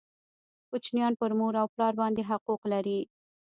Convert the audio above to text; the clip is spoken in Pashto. کوچنیان پر مور او پلار باندي حقوق لري